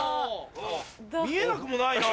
見えなくもないな。